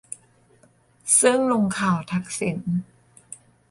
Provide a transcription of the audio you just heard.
ซึ่งลงข่าวทักษิณ